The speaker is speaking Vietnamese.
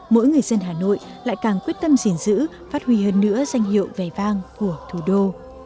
mỗi người dân hà nội lại càng quyết tâm gìn giữ phát huy hơn nữa danh hiệu vẻ vang của thủ đô